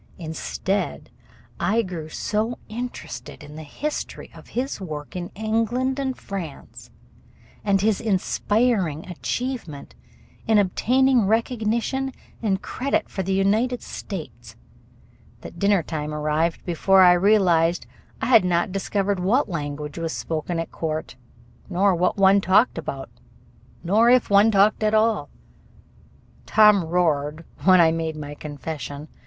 Instead I grew so interested in the history of his work in England and France and in his inspiring achievement in obtaining recognition and credit for the United States that dinner time arrived before I realized I had not discovered what language was spoken at court, nor what one talked about, nor if one talked at all. Tom roared when I made my confession.